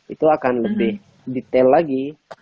itu akan lebih detail lagi